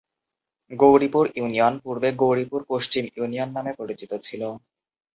Gauripur union পূর্বে গৌরীপুর পশ্চিম union নামে পরিচিত ছিল।